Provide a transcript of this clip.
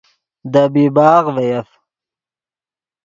دے بیباغ ڤے یف